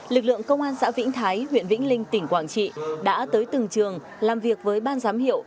lực lượng công an xã vĩnh thái huyện vĩnh linh tỉnh quảng trị đã tới từng trường làm việc với ban giám hiệu